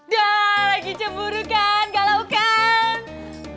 dah lagi cemburu kan galau kang